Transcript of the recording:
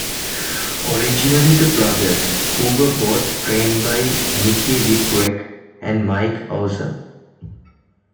Originally the brothers, who were both trained by Mikey Whipwreck, and Mike Awesome.